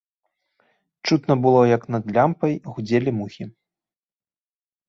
Чутно было, як над лямпай гудзелі мухі.